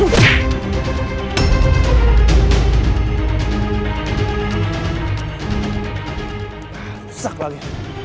ah rusak lagi